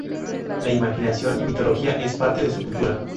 La imaginación y mitología es parte de su cultura.